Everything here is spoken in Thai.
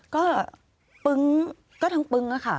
ก็ปึ้งก็ทั้งปึ้งอะค่ะ